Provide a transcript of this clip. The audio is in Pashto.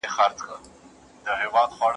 که لیکوال ولیکي نو فکر نه مري.